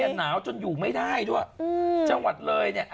หนาวจนอยู่ไม่ได้ด้วย